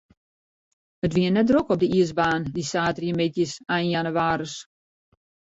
It wie net drok op de iisbaan, dy saterdeitemiddeis ein jannewaris.